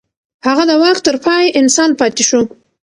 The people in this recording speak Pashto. هغه د واک تر پای انسان پاتې شو.